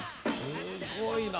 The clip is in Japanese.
すごいな。